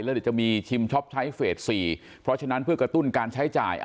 แล้วเดี๋ยวจะมีชิมช็อปใช้เฟส๔เพราะฉะนั้นเพื่อกระตุ้นการใช้จ่าย